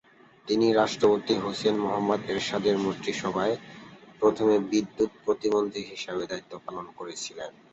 তিনি রাষ্ট্রপতি হুসেন মোহাম্মদ এরশাদের মন্ত্রিসভায় প্রথমে বিদ্যুৎ প্রতিমন্ত্রী হিসাবে দায়িত্ব পালন করেছিলেন।